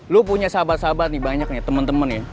lo punya sahabat sahabat nih banyak nih temen temen ya